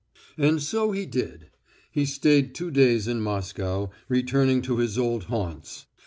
And so he did. He stayed two days in Moscow, returning to his old haunts.